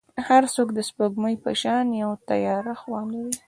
هر څوک د سپوږمۍ په شان یو تیاره خوا لري.